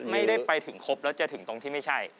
ไม่ได้ไปถึงครบแล้วจะถึงตรงที่ไม่ใช่